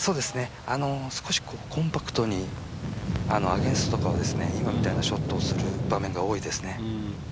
少しコンパクトにアゲンストでは今みたいなショットをする場面が多いですね。